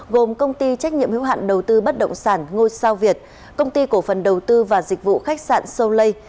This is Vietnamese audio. gồm công ty trách nhiệm hữu hạn đầu tư bất động sản ngôi sao việt công ty cổ phần đầu tư và dịch vụ khách sạn soleil